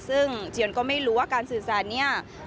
ซึ่งเจียนก็ไม่รู้ว่าการสื่อสารเนี่ย